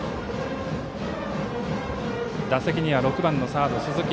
打席には６番のサード鈴木。